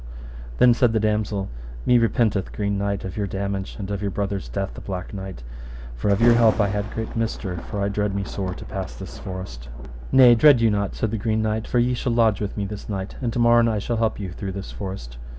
Then said the damosel, Me repenteth, Green Knight, of your damage, and of your brother's death, the Black Knight, for of your help I had great mister, for I dread me sore to pass this forest. Nay, dread you not, said the Green Knight, for ye shall lodge with me this night, and to morn I shall help you through this forest.